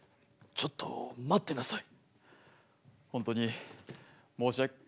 ちょっと待ってなさい。